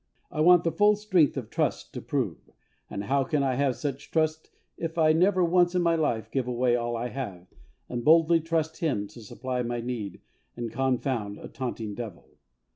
77 I want the "full strength of trust to prove," and how can I have such trust if I never once in my life give away all I have, and boldly trust Him to supply my need and confound a taunting devil